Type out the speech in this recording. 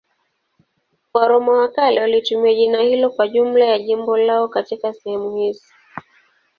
Waroma wa kale walitumia jina hilo kwa jumla ya jimbo lao katika sehemu hizi.